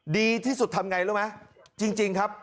ดีที่สุดทำไงรู้ไหมจริงครับ